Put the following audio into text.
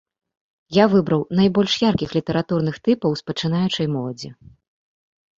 Я выбраў найбольш яркіх літаратурных тыпаў з пачынаючай моладзі.